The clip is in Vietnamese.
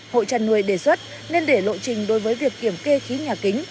hội chăn nuôi đề xuất nên để lộ trình đối với việc kiểm kê khí nhà kính